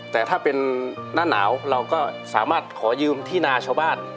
แต่ถ้าเป็นหน้าหนาวเราก็สามารถขอยืมที่นาชาวบ้าน